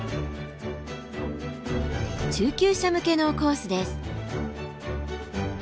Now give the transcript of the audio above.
中級者向けのコースです。